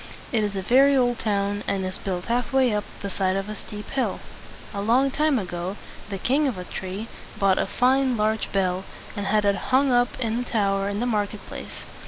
It is a very old town, and is built half way up the side of a steep hill. A long time ago, the King of Atri bought a fine large bell, and had it hung up in a tower in the market place.